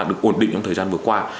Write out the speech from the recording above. được ổn định trong thời gian vừa qua